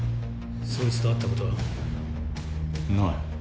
そいつと会ったことは？ない。